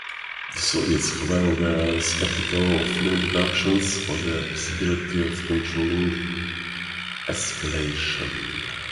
The Soviets, however, were skeptical of limited options or the possibility of controlling escalation.